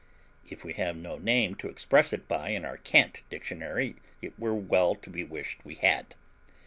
If we have no name to express it by in our Cant Dictionary, it were well to be wished we had.